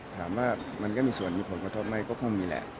ถามว่ามันก็มีส่วนมีผลกระทบไหมก็คงมีแหละ